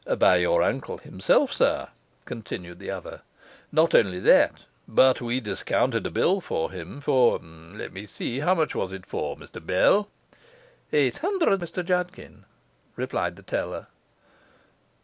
'By your uncle himself, sir,' continued the other. 'Not only that, but we discounted a bill for him for let me see how much was it for, Mr Bell?' 'Eight hundred, Mr Judkin,' replied the teller.